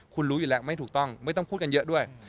คุณรู้อยู่แล้วไม่ถูกต้องไม่ต้องพูดกันเยอะด้วย